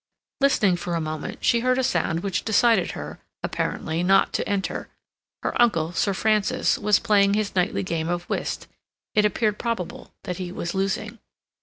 Listening for a moment, she heard a sound which decided her, apparently, not to enter; her uncle, Sir Francis, was playing his nightly game of whist; it appeared probable that he was losing.